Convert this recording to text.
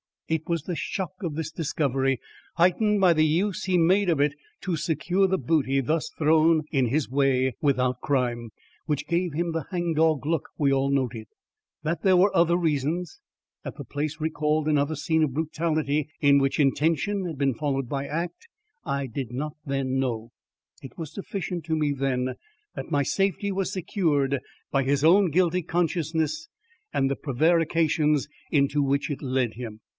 It was the shock of this discovery, heightened by the use he made of it to secure the booty thus thrown in his way without crime, which gave him the hang dog look we all noted. That there were other reasons that the place recalled another scene of brutality in which intention had been followed by act, I did not then know. It was sufficient to me then that my safety was secured by his own guilty consciousness and the prevarications into which it led him.